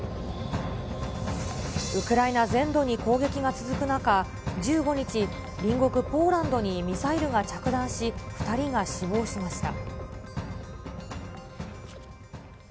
ウクライナ全土に攻撃が続く中、１５日、隣国ポーランドにミサイルが着弾し、２人が死亡しました。